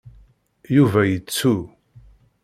Yuba yettu.